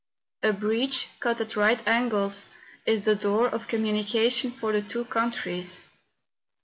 A breach, cut at right angles, is the door of communi¬ cation for the two countries.